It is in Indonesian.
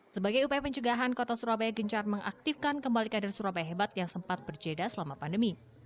sebagai upaya pencegahan kota surabaya gencar mengaktifkan kembali kader surabaya hebat yang sempat berjeda selama pandemi